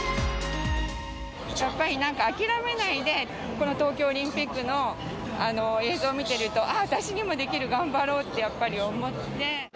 やっぱりなんか諦めないで、この東京オリンピックの映像を見てると、あ、私にもできるって、頑張ろうって思って。